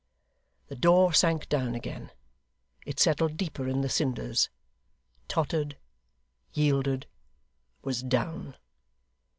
The door sank down again: it settled deeper in the cinders tottered yielded was down!